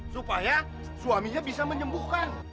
supaya suaminya bisa menyembuhkan